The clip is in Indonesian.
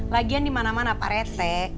lagian dimana mana pak rete